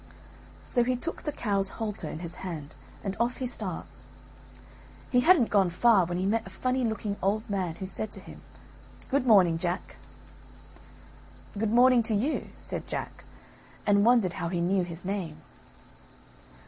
So he took the cow's halter in his hand, and off he starts. He hadn't gone far when he met a funny looking old man who said to him: "Good morning, Jack." "Good morning to you," said Jack, and wondered how he knew his name.